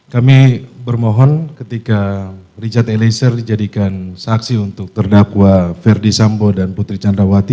kami bermohon ketika richard eliezer dijadikan saksi untuk terdakwa ferdi sambo dan putri candrawati